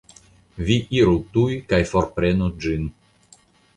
Vi iru tuj kaj forprenu ĝin.